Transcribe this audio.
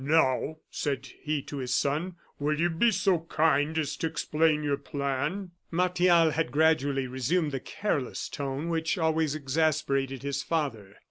"Now," said he to his son, "will you be so kind as to explain your plan?" Martial had gradually resumed the careless tone which always exasperated his father.